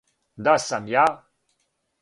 Да сам ја.